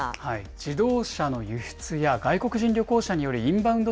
自動車の輸出や外国人旅行者によるインバウンド